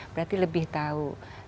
berarti lebih tau